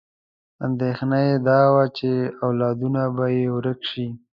اندېښنه یې دا وه چې اولادونه به یې ورک شي.